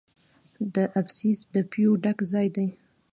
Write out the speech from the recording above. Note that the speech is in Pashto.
د ابسیس د پیو ډک ځای دی.